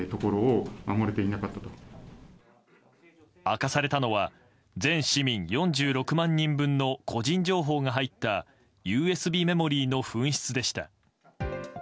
明かされたのは全市民４６万人分の個人情報が入ったＵＳＢメモリーの紛失でした。